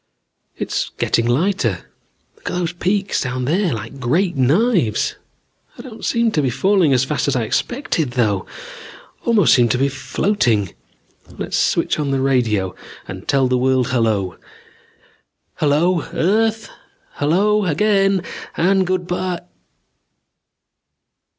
"It's getting lighter. Look at those peaks down there! Like great knives. I don't seem to be falling as fast as I expected though. Almost seem to be floating. Let's switch on the radio and tell the world hello. Hello, earth ... hello, again ... and good by